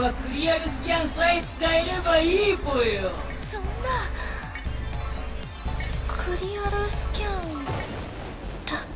そんなクリアルスキャンだけ？